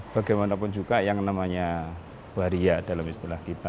bagaimanapun juga yang namanya waria dalam istilah kita